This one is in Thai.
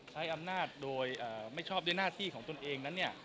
ใช้อำนาจโดยไม่ชอบด้วยหน้าที่ของตนเองนั้น